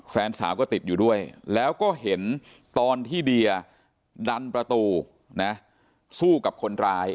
แฟนสาวก็ติดอยู่ด้วยแล้วก็เห็นตอนที่เดียดันประตูนะสู้กับคนร้าย